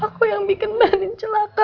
aku yang bikin mainin celaka